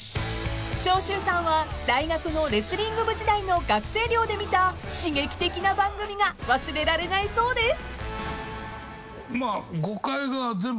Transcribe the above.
［長州さんは大学のレスリング部時代の学生寮で見た刺激的な番組が忘れられないそうです］